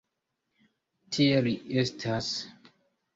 Tie li estas!